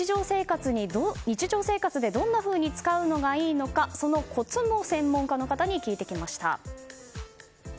日常生活でどんなふうに使うのがいいのかそのコツも専門家の方に聞いてきました。